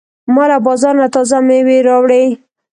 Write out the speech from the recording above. ما له بازار نه تازه مېوې راوړې.